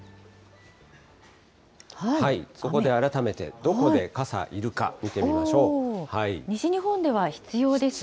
そこで改めて、どこで傘いる西日本では必要ですね。